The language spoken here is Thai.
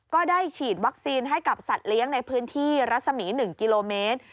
ก็ได้ฉีดวัคซีนให้กับสัตว์เลี้ยงในพื้นที่รัศมี๑กิโลเมตร